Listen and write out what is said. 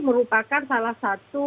merupakan salah satu